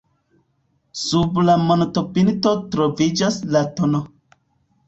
Sub la montopinto troviĝas la tn.